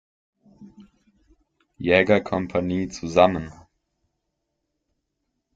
Jägerkompanie zusammen.